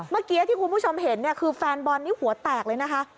เมื่อกี้ที่คุณผู้ชมเห็นเนี่ยคือแฟนบอลนี่หัวแตกเลยนะคะ